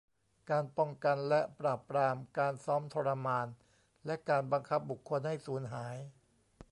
การป้องกันและปราบปรามการซ้อมทรมานและการบังคับบุคคลให้สูญหาย